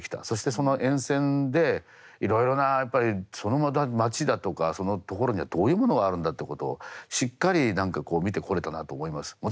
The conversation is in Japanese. そしてその沿線でいろいろなやっぱりその町だとかその所にはどういうものがあるんだってことをしっかり見てこれたなと思います。